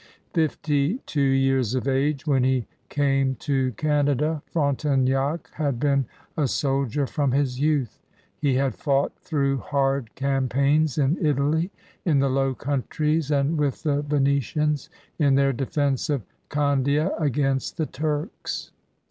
Fifty two years of age when he came to Canada, Frontenac had been a soldier from his youth; he had fought through hard campaigns in Italy, in the Low Countries, and with the Venetians in their defense of Candia against the Turks.